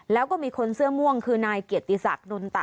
แล้วก็มีคนเสื้อม่วงคือนายเกียรติศักดิ์นนตา